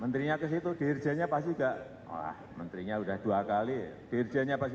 menterinya ke situ dirjanya pasti enggak wah menterinya udah dua kali dirjanya pasti